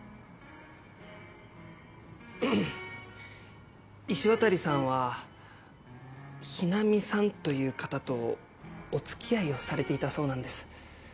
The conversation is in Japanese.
ゴホン石渡さんは日菜美さんという方とお付き合いをされていたそうなんです。